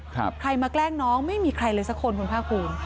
ใครมาแกล้งน้องไม่มีใครเลยสักคนคุณภาคภูมิ